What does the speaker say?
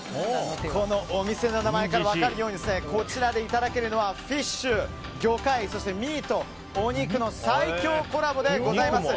このお店の名前から分かるようにこちらでいただけるのはフィッシュ、魚介そしてミート、お肉の最強コラボでございます。